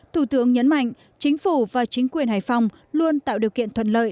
thủ tướng nhấn mạnh chính phủ và chính quyền hải phòng luôn tạo điều kiện thuận lợi